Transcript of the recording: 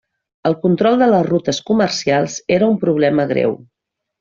El control de les rutes comercials era un problema greu.